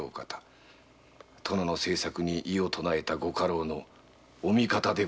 殿の政策に異を唱えたご家老のお味方でございましょう。